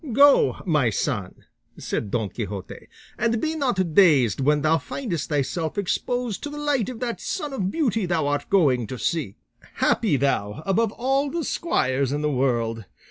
"Go, my son," said Don Quixote, "and be not dazed when thou findest thyself exposed to the light of that sun of beauty thou art going to seek. Happy thou, above all the squires in the world!